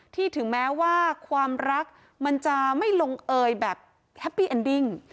ถึงแม้ว่าความรักมันจะไม่ลงเอยแบบแฮปปี้เอ็นดิ้ง